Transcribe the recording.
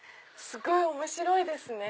すごい面白いですね！